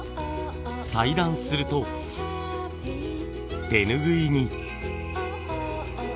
裁断すると手ぬぐいに。